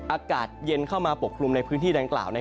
อากาศเย็นเข้ามาปกคลุมในพื้นที่ดังกล่าว